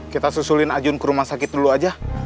kita susulin ajun ke rumah sakit dulu aja